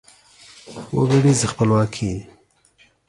وګړیزه خپلواکي